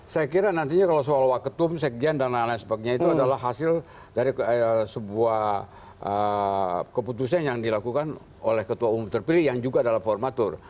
saya kira nantinya kalau soal waketum sekjen dan lain lain sebagainya itu adalah hasil dari sebuah keputusan yang dilakukan oleh ketua umum terpilih yang juga adalah formatur